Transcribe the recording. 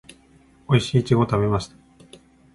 おいしいイチゴを食べました